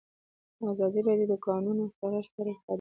ازادي راډیو د د کانونو استخراج په اړه د استادانو شننې خپرې کړي.